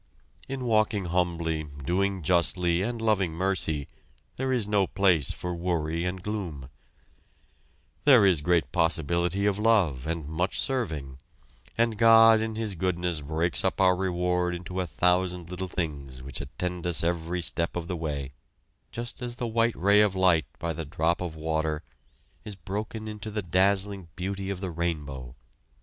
In "walking humbly, doing justly, and loving mercy," there is no place for worry and gloom; there is great possibility of love and much serving, and God in His goodness breaks up our reward into a thousand little things which attend us every step of the way, just as the white ray of light by the drop of water is broken into the dazzling beauty of the rainbow.